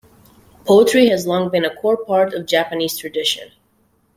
Poetry has long been a core part of Japanese tradition.